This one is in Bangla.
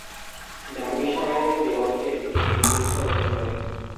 ডার্বিশায়ারের বিপক্ষে তিনি এ কৃতিত্ব অর্জন করেন।